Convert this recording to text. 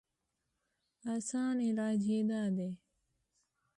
اسان علاج ئې دا دی